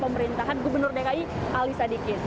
pemerintahan gubernur dki alisa dikin